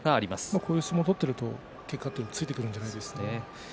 こういう相撲を取っていると結果がついてくるんじゃないでしょうかね。